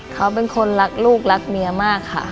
เขาเป็นคนรักลูกรักเมียมากค่ะ